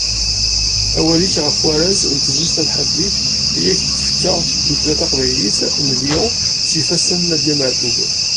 Awal-ik ɣef warraz n tezlit tamḥaddit i ak-d-tefka tddukkla taqbaylit n Lyon s yifassen n Nadiya Meɛtub.